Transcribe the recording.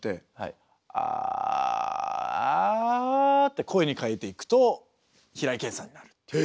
「アア」って声に変えていくと平井堅さんになるっていう。